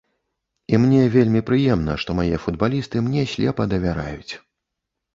І мне вельмі прыемна, што мае футбалісты мне слепа давяраюць.